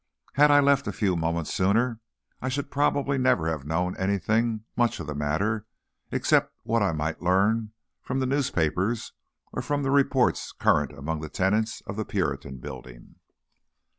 Had I left a few moments sooner, I should probably never have known anything much of the matter except what I might learn from the newspapers or from the reports current among the tenants of the Puritan Building.